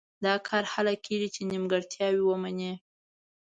دا کار هله کېږي چې نیمګړتیاوې ومني.